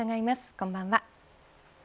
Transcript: こんばんは。